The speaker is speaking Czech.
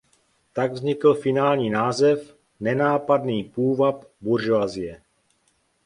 Tak vznikl finální název "Nenápadný půvab buržoazie".